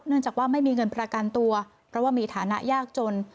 จากว่าไม่มีเงินประกันตัวเพราะว่ามีฐานะยากจน